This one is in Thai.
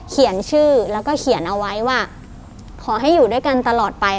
เขียนชื่อแล้วก็เขียนเอาไว้ว่าขอให้อยู่ด้วยกันตลอดไป